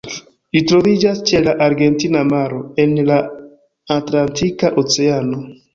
Ĝi troviĝas ĉe la Argentina Maro en la Atlantika Oceano.